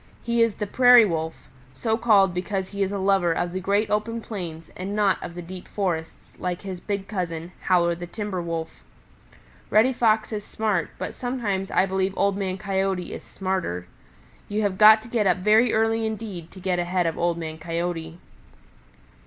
He is the Prairie Wolf, so called because he is a lover of the great open plains and not of the deep forests like his big cousin, Howler the Timber Wolf. Reddy Fox is smart, but sometimes I believe Old Man Coyote is smarter. You have got to get up very early indeed to get ahead of Old Man Coyote.